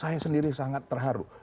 saya sendiri sangat terharu